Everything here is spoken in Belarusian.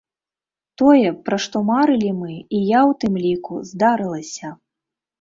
Тое, пра што марылі мы, і я ў тым ліку, здарылася!